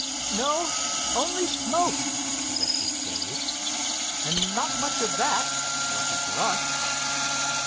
"No, only smoke," corrected Dave—"and not much of that, lucky for us!"